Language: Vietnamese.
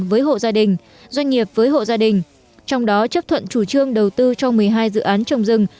với hộ gia đình doanh nghiệp với hộ gia đình trong đó chấp thuận chủ trương đầu tư cho một mươi hai dự án trồng rừng